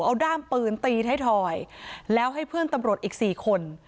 เอาด้ามปืนตีไทยทอยแล้วให้เพื่อนตำรวจอีก๔คน